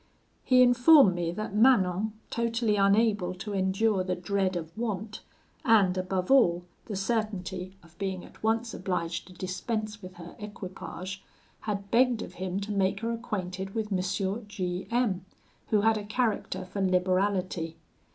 "He informed me that Manon, totally unable to endure the dread of want, and, above all, the certainty of being at once obliged to dispense with her equipage, had begged of him to make her acquainted with M. G M , who had a character for liberality.